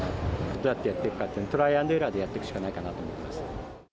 どうやってやっていくかって、トライアンドエラーでやっていくしかないかなと。